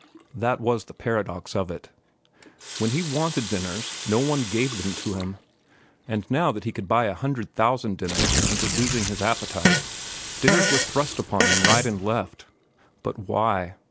That was the paradox of it. When he wanted dinners, no one gave them to him, and now that he could buy a hundred thousand dinners and was losing his appetite, dinners were thrust upon him right and left. But why?